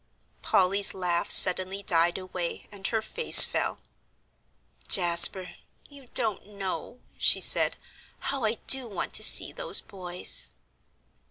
Polly's laugh suddenly died away and her face fell. "Jasper, you don't know," she said, "how I do want to see those boys."